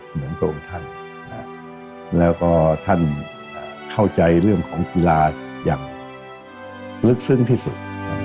เหมือนพระองค์ท่านแล้วก็ท่านเข้าใจเรื่องของกีฬาอย่างลึกซึ้งที่สุด